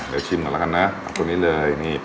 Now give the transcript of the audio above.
เดี๋ยวชิมก่อนละกันนะเอาคนนี้เลย